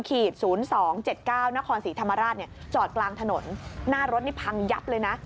ขีดศูนย์สองเจ็ดเก้านครศรีธรรมราชเนี่ยจอดกลางถนนหน้ารถนี่พังยับเลยน่ะ